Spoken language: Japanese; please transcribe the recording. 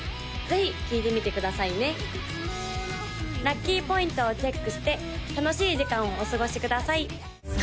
ぜひ聴いてみてくださいね・ラッキーポイントをチェックして楽しい時間をお過ごしください！